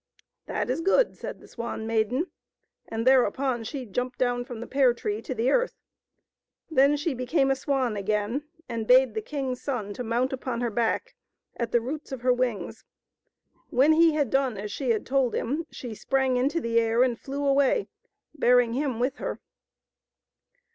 That is good," said the Swan Maiden, and thereupon she jumped down from the pear tree to the earth. Then she became a swan again, and bade the king's son to mount upon her back at the roots of her wings. When he had done as she had told him, she sprang into the air and flew away, bearing him with her.